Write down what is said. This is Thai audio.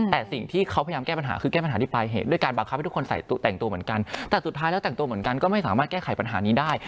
แต่สิ่งที่เขาพยายามแก้ปัญหาคือแก้ปัญหาที่ปลายเหตุด้วยการบังคับให้ทุกคนแต่งตัวเหมือนกันแต่สุดท้ายแล้วแต่งตัวเหมือนกันก็ไม่สามารถแก้ไขปัญหานี้ได้